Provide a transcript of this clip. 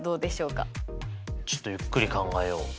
ちょっとゆっくり考えよう。